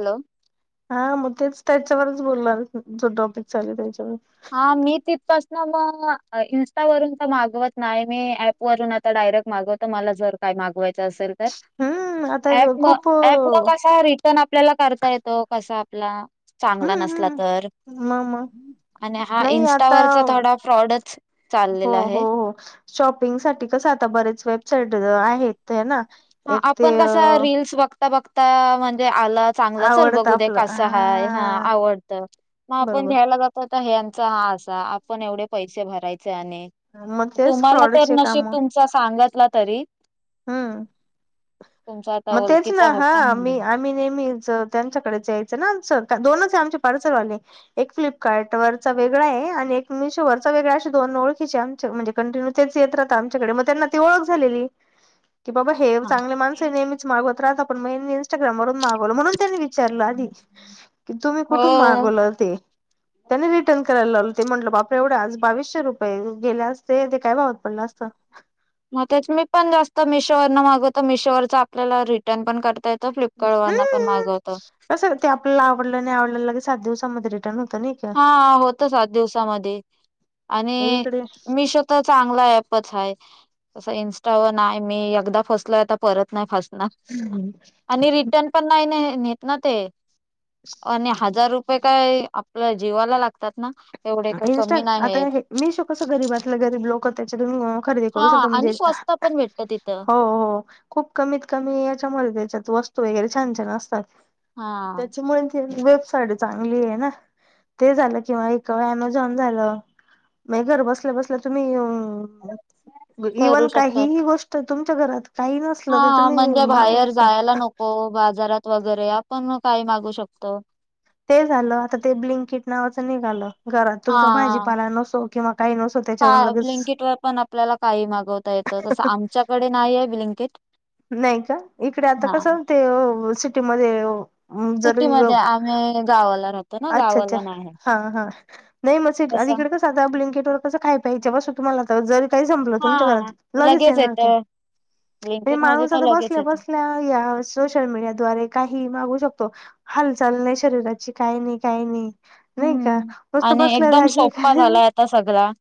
Hello हा मग तेच त्याच्यावरच बोलणार जो टॉपिक चालय त्याच्यावर हा मी तिथपासन मग इन्स्टावरून तर मागवत नाही मी ऍप वरून आता डायरेक मागवत मला जर काय मागवायचं असेल तर हम्म आता ॲप म खूप ॲप म हम्म कसा रिटन आपल्याला करता येतो कसा आपला चांगला नसला तर आणि हा नाई आता इन्स्टावरचा थोडा फ्रॉडच हो चाललेला आहे हो हो शॉपिंगसाठी कस आता बरेच वेबसाईट आहेत ना हा एक ते आपण कसा रीलस बघता बघता म्हणजे आल चांगला चल आवडत बघूदे आपलं कसा हाय हा आवडत मग आपण बरोबर घ्यायला जात त यांचा आसा आपण एवढे पैसे भरायचे मग तेच तुम्हाला तर फ्रॉडचे नशीब तुमचा सांगतला तरी हम तुमचा आता मग तेच ओळखीचा ना हा, होता म्हणून. मी-आम्ही नेहमीच त्यांच्याकडेच जायच ना आमचं दोनच आहे आमचे पार्सलवाले एक फ्लिपकार्ट वरचा वेगळा आहे आणि एक मिशोवरचा वेगळा आहे, असे दोन ओळखीचे आमच्या म्हणजे कंटिन्यू तेच येत राहातात आमच्याकडे, मग त्यांना ती ओळख झालेली की बाबा हे हा. चांगले माणसं आहे, नेहमीच मागवत राहतात पण मग ह्यांनी इंस्टाग्रामवरून मागवलं म्हणून त्यांनी विचारलं आधी की, तुम्ही कुठून हो. मागवलं ते. त्यांनी रिटर्न करायला लावलं. ते म्हंटलं बापरे! एवढे आज बावीसशे रुपये गेले असते, ते काय भावात पडलं असतं मग तेच, मी पण जास्त मिशोवरनं मागवतो, मिशोवरचं आपल्याला रिटर्न पण करता येतं फ्लिपकार्ट वरन पण हम्.. मागवतो. कसं ते आपल्याला, आवडलं नाही आवडलं लगेच सात दिवसांमध्ये रिटर्न होतं नाही का हा, होतंच सात दिवसामध्ये आणि इकडे मिशो तर चांगला आहे. खुपच हाय, तसं इंस्टावर नाही. मी एकदा फसलोय आता परत नाही फसणार आणि रिटर्न पण नाही नेत ना ते आणि हजार रुप ये काय, आपल्या जीवाला लागतात ना? एवढे काय इन्स्टा, कमी नाही आता आहेत. हे मिशो कसं गरीबातलं-गरीब लोकं त्याच्यातून खरेदी हा करू शकतो आणि म्हणजे स्वस्त पण भेटत तिथं हो हो खूप कमीत-कमी याच्यामध्ये त्याच्यात वस्तू वगैरे छान छान असतात. हा. त्याच्यामुळे वेबसाईट चांगली आहे ना, ते झालं किंवा मग अमेझॉन झालं, मग हे घर बसल्या-बसल्या तुम्ही करू इव्हन, काहीही गोष्ट तुमच्या घरात काही हा नसलं ते तुम्ही म्हणजे, मागू बाहेर शकता. जायला नको. बाजारात वगैरे वगैरे आपण काही मागू शकतो. ते झालं. आता ते ब्लिंकिट नावाचं निघालं, घरात तुमचा हां, भाजीपाला नसो किंवा काही नसो का त्याच्यावरून ब्लिंकिट लगेच वर पण आपल्याला काहीही मागवता येतं. तसं आमच्याकडे नाही आहे ब्लिंकिट. नाही का? इकडे आता हां, कसं, ते सिटीमध्ये सिटीमध्ये, आम्ही गावाला राहतो. ना, अच्छा-अच्छा गावाला नाही आहे. हा.. हा.. नाही मग सिटी तसं अलीकडं कसं आता ब्लिंकिट वर कसं खाय प्यायच्या वस्तू तुम्हाला जरी काही संपलं तुमच्या हां, घरात लगेच येणार त्या येतं. म्हणे ब्लिंकिटमध्ये माणूस तर आता लगेच बसल्या येतं. बसल्या या सोशल मीडिया द्वारे काही मागू शकतो. त हालचाल नाही शरीराची काही नाही काही नाही नाही का हं मस्त आणि बसला एकदम झागी सोप्पा झालाय आता सगळा.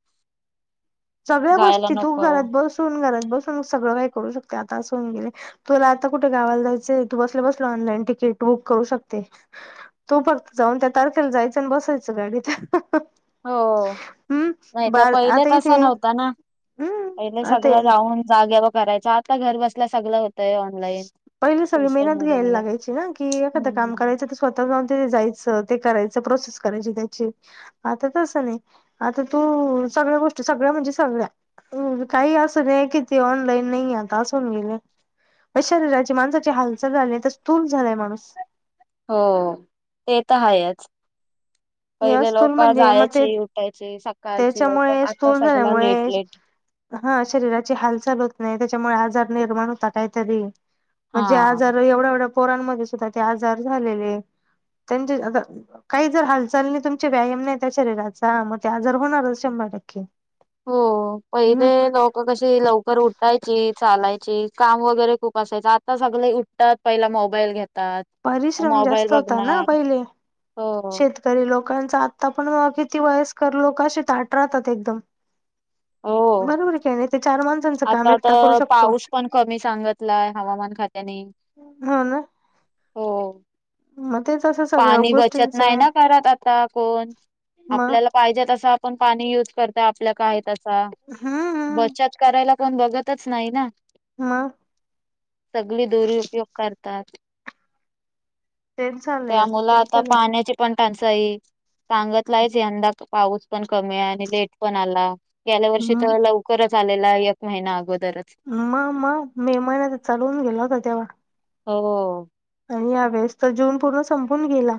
सगळ्या जायला गोष्टी तू नको. घरात बसून घरात बसून मग सगळं काही करू शकते आता असं होऊन गेले तुला आता कुठे गावायला जायचं तू बसले बसल ऑनलाईन तिकीट, बुक करू शकते तो फक्त जाऊन त्या तारखेला जायच आणि बसायच गाडीत. हो हम्म नाही तर बार पहिले आता तसा इथे नव्हता ना? पहिले हम्म आता सगळ जाऊन जागे व करायच आतता घर बसल्या सगळ हो. पहिले सगळी मेहनत घ्यायला मीडियामुळे लागायची ना कि एखादं हम्म. काम हम्म. करायचं तर स्वतः जाऊन, जायच ते करायच प्रोसेस करायची त्याची आता तस नाही. आता तू सगळ्या गोष्टी सगळ्या म्हणजे सगळ्या काही असं नाही किती ऑनलाईन नाहीेये आता असून गेले. अ शरीराची माणसाची हालचाल झाली तर स्थूल झालाय माणूस. हो ते तर आहेच. या पहिले स्थूल लोकर म्हणजे मग ते जायची उठायची सकाळची लोकर त्याच्यामुळे आता स्थूल सगळ लेट झाल्यामुळे लेट. हा शरीराची हालचाल होत नाही. त्या मुळे आजार निर्माण होता काहीतरी म्हणजे हा. आजार एवढ एवढ पोरांमध्ये सुद्धा ते आजार झालेले त्यां काही जर चालणे तुमचे व्यायाम नाही त्या शरीराचा मग ते आजर होणारच शंभर टक्के. हो! पहिले हम्म लोक कशी लवकर उठायची चालायची, काम वगैरे खूप असायच आता सगळे उठतात पहिला मोबाईल घेत परिश्रम जास्त होता ना पहिले हो शेतकरी लोक लोकां आता पण किती वयस्कर लोकशी ताट राहतात एकदम. हो. बरोबर काय नाही? चार माणसांचं काम आता एकटा करू तर शकतो पाऊस पण कमी सांगितलाय हवामान खात्याने. हो ना हो मग तेच असं सगळ्या पाणी बचत गोष्टींच नाही ना करत आता कोण मग आपल्याला पाहिजे तसं ण पाणी युज करत आपल्या का आहे हम्म बचत करायला पण बघतच नाही ना मग सगळी दूर उपयोग करतात. तेच झालंय त्यामुला तेच आता झालंय पाण्याची पण टंचाई सांगतला आहेच य यंदा पाऊस पण कमी आहे आणि लेट पण आला. गेल्या वर्षी हम्म तर लवकरच आलेला एक महिना अगोदर म म मे महिन्यात चालवून गेला होता तेव्हा. हो. आणि या वेळेस तर जून पूर्ण संपून गेला.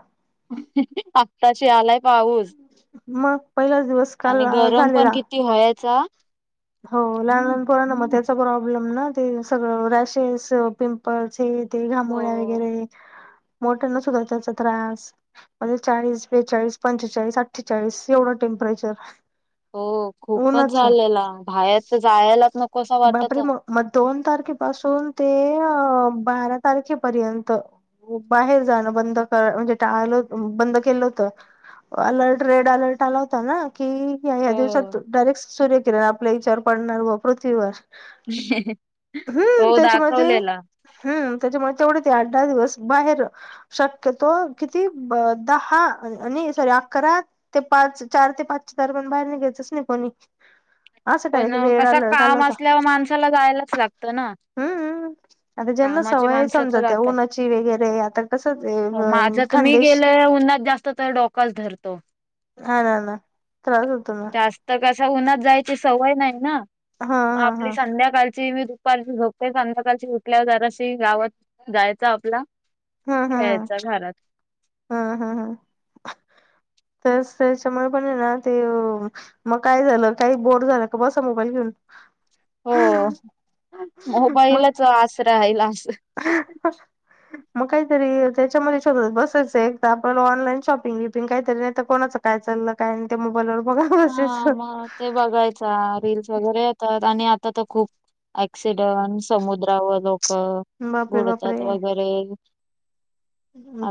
आताशी आलाय. पाऊस मग पहिलाच दिवस आणि काल गरम पण झालेला किती होयाचं. हो लहान लहान लहान पोरांना ना मग त्याचा प्रॉब्लेम ना ते सगळं रॅशेस पिंपल्स हे. ते हो घामोळ्या वगैरे, मोठ्या ना सुद्धा त्याचा त्रास म्हणजे चाळीस, बेचाळीस, पंचेचाळीस, अठ्ठेचाळीस एवढं टेम परेचर. हो खूपच झालेला बाहेरच जायलाच नक. बापरे मग मग दोन तारखेपासून ते बारा तारखेपर्यंत. बाहेर जाणं बंद म्हणजे टाळलं बंद केलं होत. अलर्ट रेड अलर्ट आला होता ना? कि ह्या ह्या हो दिवसात डायरेक्ट सूर्य किरण आपल्या विचवर पडणार बा पृथ्वीवर. हम्म हो त्याच्यामध्ये दाखवलेला हम्म त्याच्यामध्ये तेवढ आठ दहा दिवस बाहेर शक्यतो किती दहा आणि सॉरी अकरा ते पाच चार ते पाचच्या दरम्यान बाहेर निघायचच नाही कोणी. [inaudible] असं काय ते रेड कस अलर्ट. आला काम होता असल्यावर माणसाला जायलाच लागत ना. हम्म आता ज्यांना कामाचे सवय माणसं समजा तर त्या जातात. उन्हाची वगैरे आता कसं अ माझं तर मी खानदेश गेले उन्हात जास्त तर डोकंच धरतो. हा ना ना त्रास होतो ना. जास्त कसं उन्हात जायची सवय नाही ना, हा म हा आपली हा संध्याकाळ ती मी दुपारी झोपते संध्याकाळची उठल्यावर जराशी गावात जायचा आपला. हा हा हा यायचा घरात. हा हा हा तेच त्याच्यामुळे पण आहे ना ते मग काय झालं काही बोर झालं का? बसा मोबाईल घेऊन. [inaudible] हो मग मोबाईलच आसरा राहीला. [inaudible] मग काहीतरी त्याच्यामध्ये शोधत बसायचं एक तर आपलं ऑनलाईन शॉपिंग बिपिंग काहीतरी नाही तर कोणाचं काय चा ल्लं काय नही त्या मोबाईलवर बघा हा बसायचं मग ते बघायचा रील्स वगैरे येतात. आणि आता तर खूप ऍक्सिडंट, समुद्रावर लोक बापरे बापरे बुडतात वगैरे.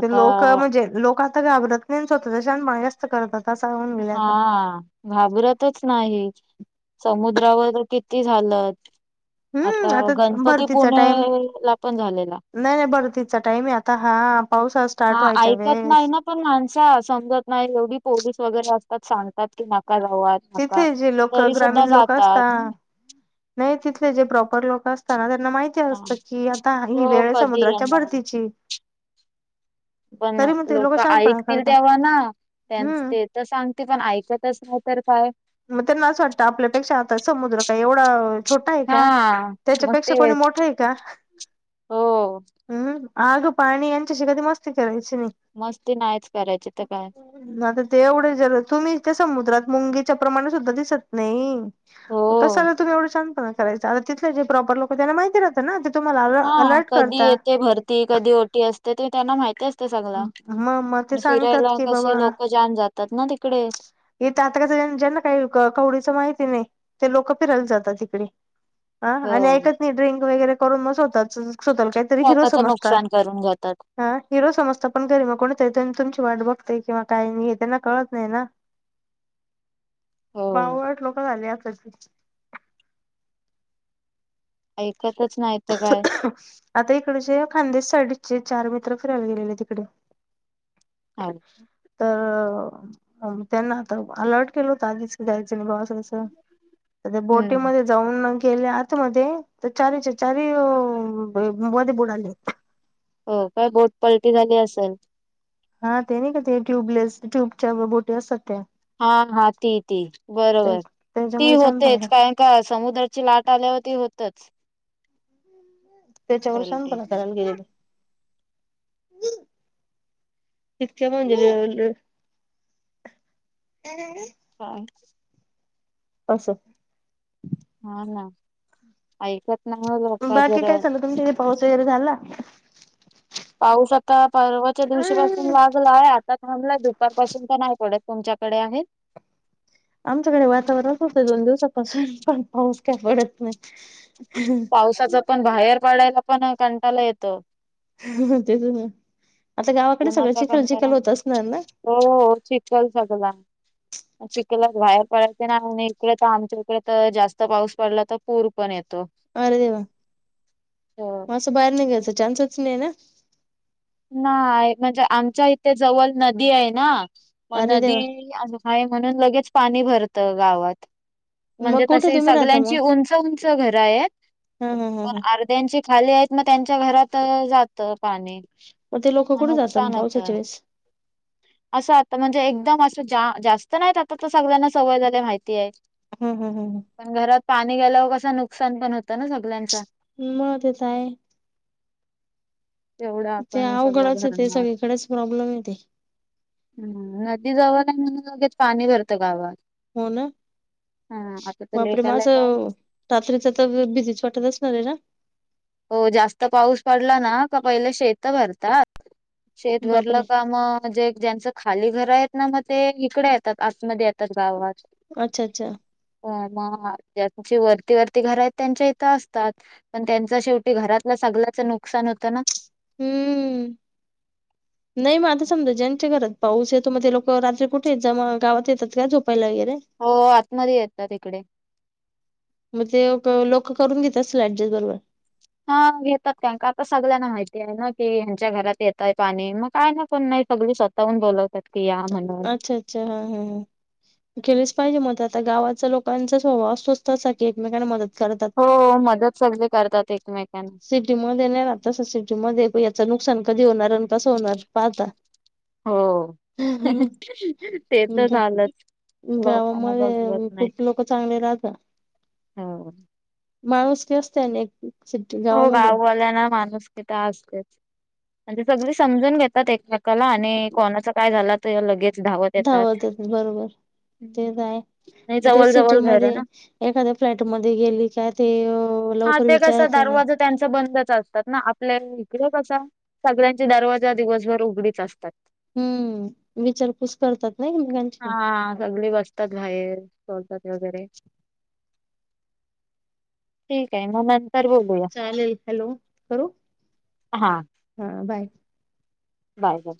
ते लोकं म्हणजे लोकं आता घाबरत नाहीन स्वतःचा शानपणा जास्त करतात. असा होऊन गेला हा आता घाबरतंच नाही समु द्रावर किती झालं. हम्म आता गणपती भरतीचा पुणे टाइम ला पण झालेला. नाही नाही भरतिचा टाईमे आता हा पाउसाळा स्टार्ट हा व्हायच्या ऐकत वेळे. नाही ना पण माणसा समजत एवढी पोलीस वगैरे असतात सांगतात की ना तिथे जे लोक ग्रामीण लोक असता, जातात नाही तिथंले जे प्रॉपर लोक अस् ता त्यांना माहिती हा असतं की आता ही हो वेळ कधी समुद्राच्या येणार भरतीची. पण तरी मग ते लोक लोकं शानपणा ऐकतील करता तेव्हा ना. त्यांच हम्म ते तर सांगते पण ऐकतच नाही तर काय. मग त्यांना असं वाटतं आपल्यापेक्षा आता समुद्र काय एवढा छोटाय हा का? मग त्याच्यापेक्षा ते कोणी मोठाय का? हो हम्म. आग, पाणी यांच्याशी कधी मस्ती करायची नाही, मस्ती नाहीच करायची तर काय म तेवढ जल तुम्ही त्या समुद्रात मुंगीच्या प्रमाण सुद्धा दिसत नाही, मग हो कशाला तुम्ही एवढा शानपणा करायचा आता तिथलं जे प्रॉपर लोकं त्याना माहिती राहात ना तुम्हाला हा अलर्ट कधी करता. येते भरती कधी ओटी असते ते त्यांना माहिती‌ अस ते सगला मग मग ते आणि सांगतात फिरायला की कसे लोकं जाम जातात ना तिकडे. इथ आता कसं ज्यांना काही कवडीच माहिती नाही ते लोक फिरायला जातात इकडे, ह आणि ऐकत नाही ड्रिंक वगैरे करून मग स्वतःच स्वतःला कायतरी हिरो स्वतःच समजता, नुकसान करून जातात अ हिरो समज घरी बुआ कोणीतर तुमची वाट बघते किंवा काही नाही त्यांना कळत नाही ना. हो बाववलट लोकं झाली आत्ताची. ऐकतच नाही तर काय आता इकडं जे खानदेश साईड चे चार मित्र फिरायला गेलेले तिकडे. आड अ त्यांना आता अलर्ट केला होतं की जायचं नाही बाळा हम्म बोटीमध्ये जाऊन गेले आत मध्ये तर चारीचे चारी मध्ये बुडाले. हो काय बोट पलटी झाली असेल? हा ते नाही का ते ट्यूबलेस ट्यूबच्या बोटी असतात त्या हा हा ती ती बरोबर. ती त्याच्यामध्ये होतेच छानपणा कारय का समुद्राची लाट आल्यावर ती होतच त्याच्यावर पलटी शांतपणा कारण गिरीली [inaudible] शथ्या म्हजल ह अस हा ना ऐकत नाही लोक बाकी जर काय चाल तुमच्या इ पाऊस वगैरे झाला पाऊस आता परवाच्या दिवशीपासून लागलाय आता थांबलाय दुपारपासून तर नाही पडत तुमच्याकडे आहेत आमच्याकडे वातावरणच होतं दोन दिवसापासून पण पाऊस काय पडत नाही पावसाच पण बाहेर पाडायला पण कंटायला येत ह तेच ना आता गावाकडे सगळं उन्हाच्या चिखल खंड्याला चिखल होत असणार ना तो शिकल सगला चिकलात बाहेर पडायचे नाही आणि इकडे तर आमच्या इकडे तर जास्त पाऊस पडला तर पूर पण येत अरे देव मं बाहेर नाही घ्यायच चान्सच नाही ना नाही म्हणजे आमच्या इथे जवळ नदी आहे ना मग अरे नदी देवा आहे म्हणून लगेच पाणी भरतं गावात म्हणजे मग त कुठे तुम्ही राहता मग सगळ्यांची उंच उंच घरं आहेत हा हा हा पण हा अर्ध्यांची खाली आहेत मग त्यांच्या घरात जात पाणी मग ते लोक म कुठे जातात मग नुकसान होत पावसाच्या वेळेस असं आता म्हणजे एकदम असं जास्त स सवय झा मा हा हा हा घात पा ग नुकसान पण होत ना सगळ्यांचा म ते आहे तेवढ्या ते आपणण सगळं अवघडच आहे ते भरणार सगळीकडेच प्रॉब्लेम आहे ते हम नदी जवळ म्ह लत पाणी भरतं गावात हो ना हा आता मग तर आपडे लेट मा आलाय असं पाऊस. रात्रीच तर बिझीच वाटतच रा हो जास्त पाऊस पडला ना का पहिले शेत भरतात शेत भरलं बापरे काम जे ज्यांच खाली घर आहेत ना मग ते इकडे येतात आतमध्ये येतात गावात अच्छा अच्छा अ मग ज्यांची वरती वरती घर आहेत त्यांच्या इथं असतात पण त्यां शेवटी घरातलं सगंचं नुकसान होतं ना. हम्म नाही मग आता समजा ज्यांच्या घरात पाऊस येतो मग ते लोक रात्री कुठेेत जमा गावात येतात का? झोपायला वगैरे हो आतमध्ये येतात तिकडे. मग ते लोक करून घेत असतील ऍडजस्ट बरोबर. [unintelligible] हा घेतात त्यां आता सगळ्यांना माहिती आहे ना की ह्यांच्या घरात येतय पाणी मग काय ना पण नाही सगळ. स्वतःून बोलत. अच्छा अच्छा हा हा हा गेलेच पाहिजे मत. ता गावाातचा लोकांचा स्वभव स्वस्थ अस आहे की एकमेकांना मत तात हो मदत सगळे करतात एकमेकांना. सिटी मध्ये नाही रास सिटी मध्ये त्या नुकसान कधी होणार आणि कसं होणार पाहता. हो ते तर झालंच. लोकांना बघवत गावामध्ये नाही. खूप लोक चांगले राहत. हो. माणूस क असत ना. हो गाववाल्यांना माणूस किता असतेच. म्हजे सगळी समजून घेतात एकमेकाला आणि कोणाचं काय झालं तर लगेच. धावत येतात. धावतत बरोबर. तेच आहे आणि तेच जवळ सिटी जवळ घर मध्ये ना एखाद्या फ्लॅट मध्ये गेली का ते हा लवकर ते कसा विचारत नाही दरवाजा त्यांचा बंद. असतात ना आपल्या इकडे कसा सगळ्यांचे दरवाजा दिवसभर उघडीच असतात. हम्म विचारपूस करतात ना एकमेकांची हा सगळे बसतात बाहेर. रे ठीक आहे मग. बोलूया चालेल हॅलो करू हा हा बाय. Bye bye.